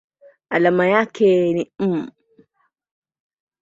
Alama yake ni µm.